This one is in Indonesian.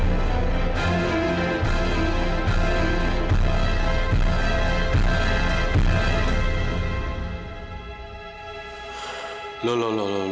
ini adalah nanti sampai berhasil